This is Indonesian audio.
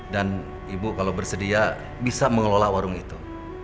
dan ibu kalau bersedia bisa mengelola warung itu